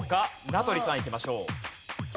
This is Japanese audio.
名取さんいきましょう。